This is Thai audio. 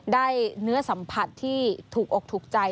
ได้เนื้อสัมผัสที่ถูกอกถูกใจ